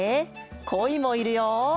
コイもいるよ。